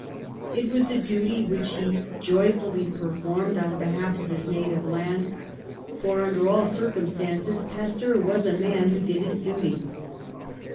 It was a duty which he joyfully performed on behalf of his native land, for under all circum stances Pasteur was a man who did his duty.